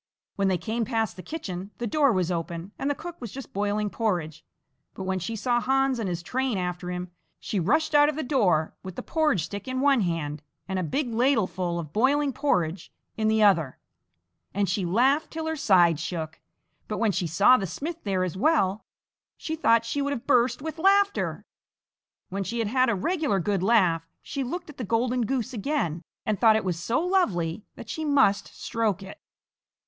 When they came past the kitchen, the door was open and the cook was just boiling porridge, but when she saw Hans and his train after him, she rushed out of the door with the porridge stick in one hand and a big ladle full of boiling porridge in the other, and she laughed till her sides shook; but when she saw the smith there as well, she thought she would have burst with laughter. When she had had a regular good laugh, she looked at the golden goose again and thought it was so lovely that she must stroke it.